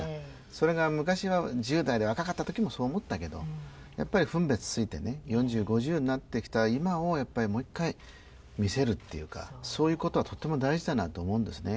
それが昔は１０代で若かった時もそう思ったけどやっぱり分別ついてね４０５０になってきた今をやっぱりもう一回見せるっていうかそういう事はとても大事だなと思うんですね。